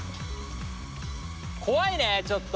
怖いねちょっと。